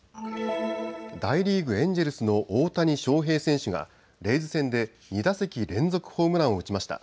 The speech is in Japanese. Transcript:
大リーグ、エンジェルスの大谷翔平選手がレイズ戦で２打席連続ホームランを打ちました。